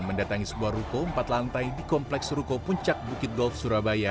mendatangi sebuah ruko empat lantai di kompleks ruko puncak bukit golf surabaya